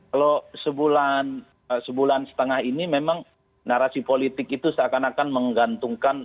kalau sebulan setengah ini memang narasi politik itu seakan akan menggantungkan